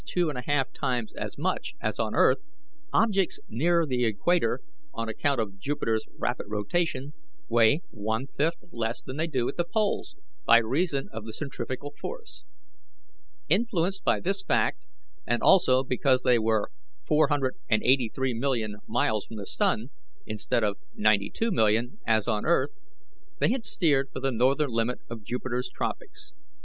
5 as much as on earth, objects near the equator, on account of Jupiter's rapid rotation, weigh one fifth less than they do at the poles, by reason of the centrifugal force. Influenced by this fact, and also because they were 483,000,000 miles from the sun, instead of 92,000,000 as on earth, they had steered for the northern limit of Jupiter's tropics.